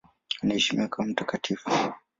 Anaheshimiwa kama mtakatifu.